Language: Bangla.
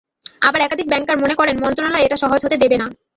আবার একাধিক ব্যাংকার মনে করেন, মন্ত্রণালয় এটা সহজে হতে দেবে না।